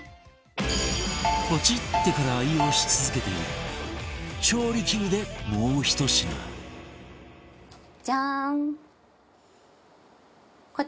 ポチってから愛用し続けている調理器具でもうひと品ジャーン！